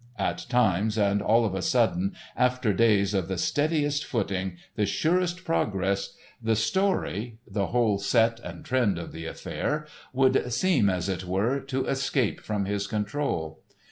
At times and all of a sudden, after days of the steadiest footing, the surest progress, the story—the whole set and trend of the affair—would seem, as it were, to escape from his control.